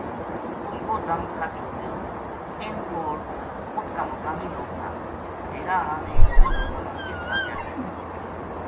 اس کو دم خرچ ہو گیو اِنھ کول اُت کا مقامی لوک تھا ڈیرا ہالاں نے اُنھ لوکاں نا اس واقعہ کی خبر کری